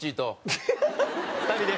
２人で？